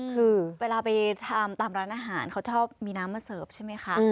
คือเวลาไปทำตามร้านอาหารเขาชอบมีน้ำมาเสิร์ฟใช่ไหมคะ